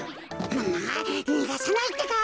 むむっにがさないってか！